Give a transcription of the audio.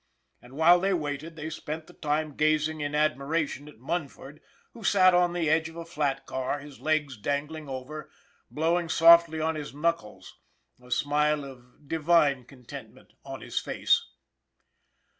And while they waited they spent the time gazing in admiration at Munford who sat on the edge of a flat car, his legs MUNFORD 325 dangling over, blowing softly on his knuckles, a smile of divine contentment on his face.